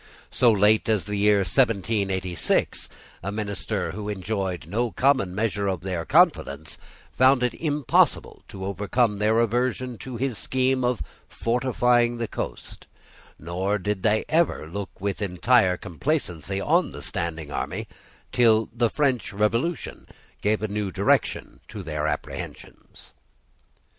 So late as the year 1786, a minister who enjoyed no common measure of their confidence found it impossible to overcome their aversion to his scheme of fortifying the coast: nor did they ever look with entire complacency on the standing army, till the French Revolution gave a new direction to their apprehensions.